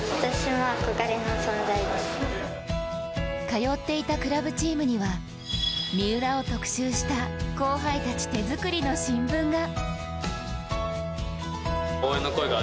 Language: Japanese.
通っていたクラブチームには三浦を特集した後輩たち手作りの新聞が。